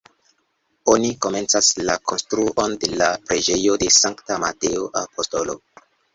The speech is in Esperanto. Oni komencas la konstruon de la preĝejo de Sankta Mateo Apostolo.